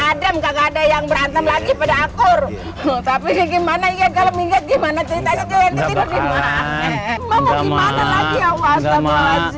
adem kagak ada yang berantem lagi pada akur tapi gimana ya kalau minggat gimana ceritanya